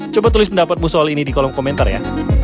coba tulis pendapatmu soal ini di kolom komentar ya